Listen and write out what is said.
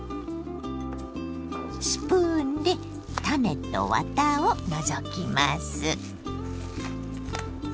スプーンで種とワタを除きます。